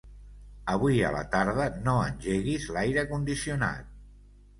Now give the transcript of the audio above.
Avui a la tarda no engeguis l'aire condicionat.